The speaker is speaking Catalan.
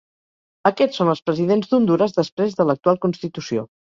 Aquests són els presidents d'Hondures després de l'actual constitució.